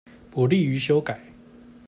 不利於修改